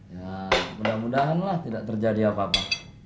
ya mudah mudahanlah tidak terjadi apa apa